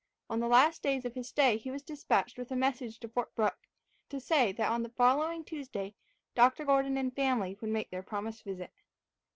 On the last days of his stay he was dispatched with a message to Fort Brooke, to say that on the following Tuesday Dr. Gordon and family would make their promised visit.